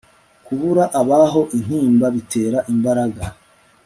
kubura ababo intimba bitera imbaraga